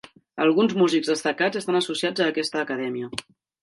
Alguns músics destacats estan associats a aquesta acadèmia.